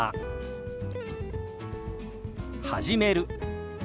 「始める」。